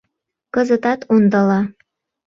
Кызытат ондала...